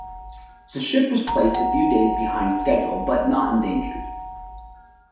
The ship was placed a few days behind schedule but not endangered.